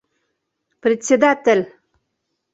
Председатель!